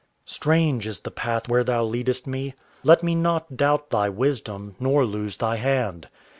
Strange is the path where Thou leadest me: Let me not doubt Thy wisdom, nor lose Thy hand.